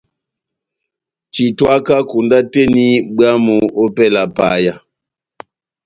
Titwaka konda tɛ́h eni bwámu opɛlɛ ya paya.